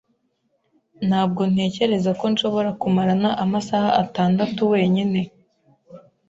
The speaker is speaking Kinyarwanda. Ntabwo ntekereza ko nshobora kumarana amasaha atandatu wenyine.